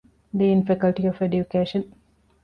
ޑީން، ފެކަލްޓީ އޮފް އެޑިއުކޭޝަން